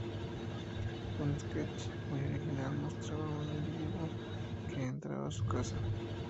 Un sketch muy original mostraba un individuo que entraba en su casa.